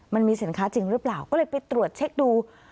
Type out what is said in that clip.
มันมีสินค้าจริงหรือเปล่าก็เลยไปตรวจเช็คดู